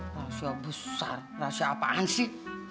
rahasia besar rahasia apaan sih